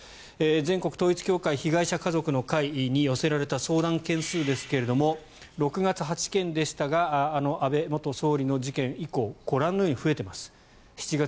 全国統一教会被害者家族の会に寄せられた相談件数ですが６月は８件でしたが安倍元総理の事件以降ご覧のように増えています。